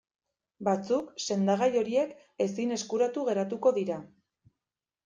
Batzuk sendagai horiek ezin eskuratu geratuko dira.